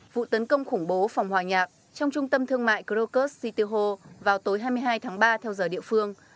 vụ tấn công khủng bố phòng hòa nhạc trong trung tâm thương mại krokus sitihol vào tối hai mươi hai tháng ba theo giờ địa phương